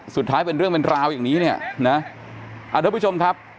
เป็นเรื่องเป็นราวอย่างนี้เนี่ยนะอ่าทุกผู้ชมครับ